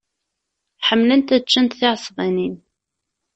Ḥemmlent ad ččent tiɛesbanin.